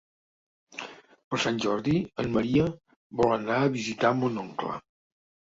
Per Sant Jordi en Maria vol anar a visitar mon oncle.